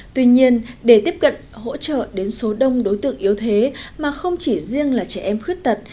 tuy nhiên để tiếp cận hỗ trợ đến số đông đối tượng yếu thế mà không chỉ riêng là trẻ em khuyết tật